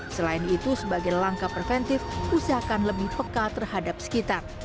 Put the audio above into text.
selain itu sebagai langkah preventif usahakan lebih pekal terhadap sekitar